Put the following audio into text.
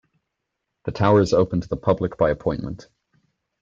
The tower is open to the public by appointment.